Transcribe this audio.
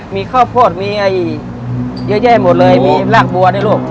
มีข้าวโพดมีอะไรอีกเยอะแยะหมดเลยมีรากบัวด้วยลูก